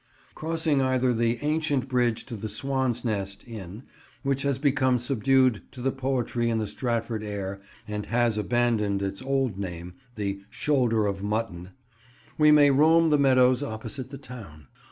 Crossing either that ancient bridge to the "Swan's Nest" inn which has become subdued to the poetry in the Stratford air and has abandoned its old name, the "Shoulder of Mutton," we may roam the meadows opposite the town.